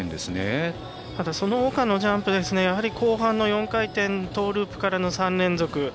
ただ、そのほかのジャンプやはり後半の４回転トーループからの３連続。